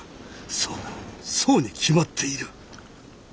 そうだそうに決まっている。